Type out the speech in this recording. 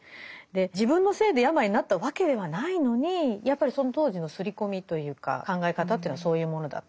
自分のせいで病になったわけではないのにやっぱりその当時の刷り込みというか考え方というのはそういうものだった。